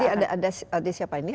jadi ada siapa ini